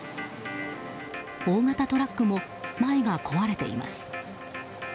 大型トラックも前が壊れています。